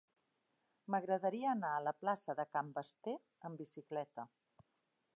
M'agradaria anar a la plaça de Can Basté amb bicicleta.